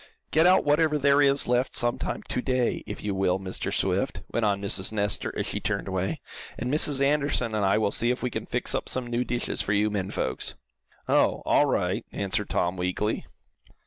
"Get out wherever there is left some time to day, if you will, Mr. Swift," went on Mrs. Nestor, as she turned away, "and Mrs. Anderson and I will see if we can fix up some new dishes for you men folks." "Oh all right," answered Tom, weakly.